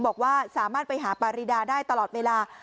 บอกว่าสามารถไปหาปารีดาได้ตลอดเวลา